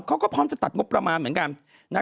เขาก็พร้อมจะตัดงบประมาณเหมือนกันนะ